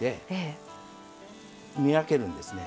見分けるんですね。